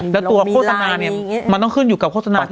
แล้วตัวโฆษณาเนี่ยมันต้องขึ้นอยู่กับโฆษณา